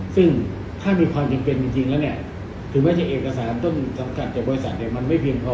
ซึ่งถ้ามีความจำเป็นจริงแล้วเนี่ยถึงแม้จะเอกสารต้นสังกัดจากบริษัทมันไม่เพียงพอ